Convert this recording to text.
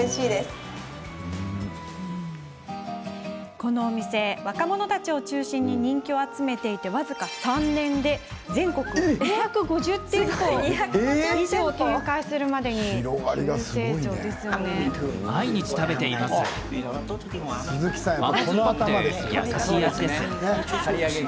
このお店、若者たちを中心に人気を集めていて僅か３年で全国２５０店舗以上展開するまでになっています。